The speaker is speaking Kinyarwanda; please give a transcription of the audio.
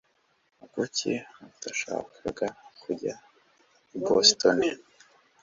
Kuki utashakaga kujya i Boston